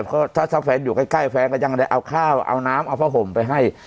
ก็ถ้าแฟนอยู่ใกล้แฟนก็ยังได้เอาข้าวเอาน้ำเอาผ้าห่มไปให้